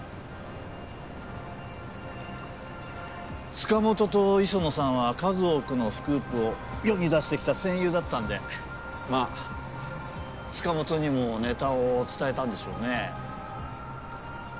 塚本と磯野さんは数多くのスクープを世に出してきた戦友だったんでまあ塚本にもネタを伝えたんでしょうね。